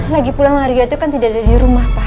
lagi pulang mario itu kan tidak ada di rumah pak